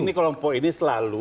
ini kalau poin ini selalu